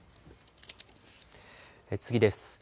次です。